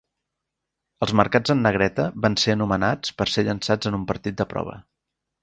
Els marcats en negreta van ser anomenats per a ser llançats en un partit de prova.